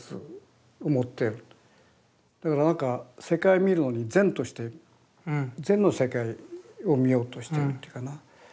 だから何か世界見るのに善として善の世界を見ようとしてるっていうかな。